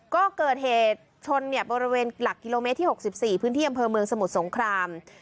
ก็เกิดเหตุชนบริเวณหลักกิโลเมตรที่๖๔พื้นที่อำเภอเมืองสมุทรสงคราม